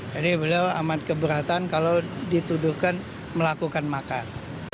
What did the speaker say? jadi beliau amat keberatan kalau dituduhkan melakukan makar